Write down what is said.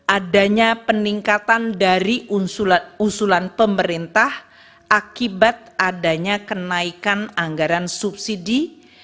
adanya peningkatan dari usulan pemerintah akibat adanya kenaikan anggaran subsidi